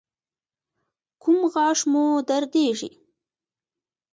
کوم غاښ مو دردیږي؟